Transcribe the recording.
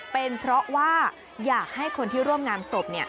เป็นเพราะว่าอยากให้คนที่ร่วมงานศพ